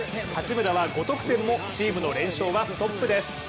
八村は５得点もチームの連勝はストップです。